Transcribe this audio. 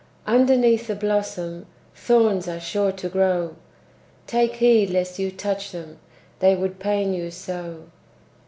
Underneath the blossom Thorns are sure to grow; Take heed lest you touch them, They would pain you so!